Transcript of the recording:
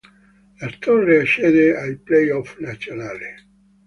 La Torres accede ai play-off nazionali.